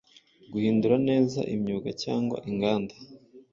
Guhindura neza imyuga cyangwa inganda